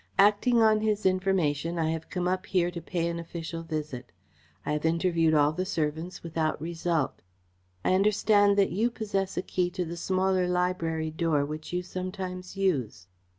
"Acting on his information, I have come up here to pay an official visit. I have interviewed all the servants without result. I understand that you possess a key to the smaller library door which you sometimes use."